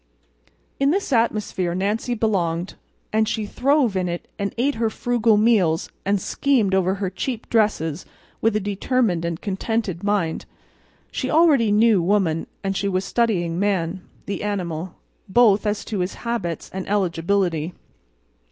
In this atmosphere Nancy belonged; and she throve in it and ate her frugal meals and schemed over her cheap dresses with a determined and contented mind. She already knew woman; and she was studying man, the animal, both as to his habits and eligibility.